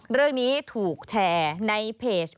เรื่องนี้ถูกแชร์ในเพจ